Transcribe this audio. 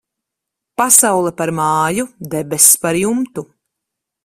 Pasaule par māju, debess par jumtu.